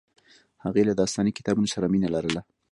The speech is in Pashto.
هغې له داستاني کتابونو سره مینه لرله